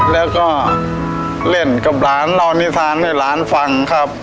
แล้วก็เล่นกับหลานเล่านิษฐานให้หลานฟังครับ